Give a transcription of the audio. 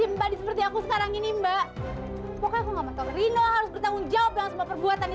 mbak sebaiknya mbak gak usah bawa bawa nama suami saya dalam masalah ini